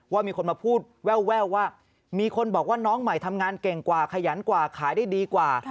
ว่ามีคนมาพูดแววว่ามีคนบอกว่าน้องใหม่ทำงานเก่งกว่าขยันกว่าขายได้ดีกว่า